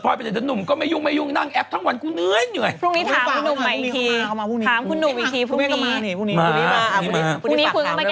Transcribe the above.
พรุ่งนี้คุณก็มาแก้ข่าวมาเราเองว่ายังไง